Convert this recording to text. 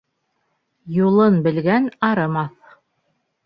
Юлын белгән арымаҫ.